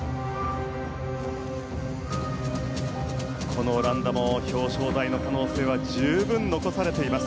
このオランダも表彰台の可能性は十分に残されています。